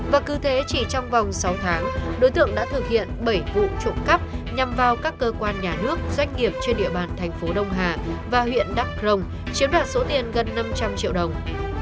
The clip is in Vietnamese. và cứ thế chỉ trong vòng sáu tháng đối tượng đã thực hiện bảy vụ trộm cắp nhằm vào các cơ quan nhà nước doanh nghiệp trên địa bàn thành phố đông hà và huyện đắk rồng chiếm đoạt số tiền gần năm trăm linh triệu đồng